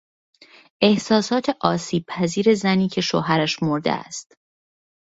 احساسات آسیبپذیر زنی که شوهرش مرده است